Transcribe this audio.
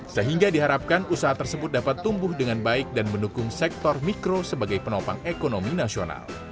sehingga diharapkan usaha tersebut dapat tumbuh dengan baik dan mendukung sektor mikro sebagai penopang ekonomi nasional